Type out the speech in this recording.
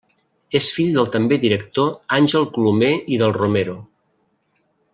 És fill del també director Àngel Colomer i del Romero.